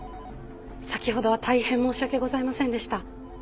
先ほどは大変申し訳ございませんでした。